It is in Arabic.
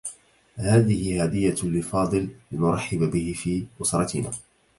هذه هديّة لفاضل لنرحّب به في أسرتنا.